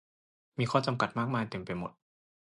มีข้อจำกัดมากมายเต็มไปหมด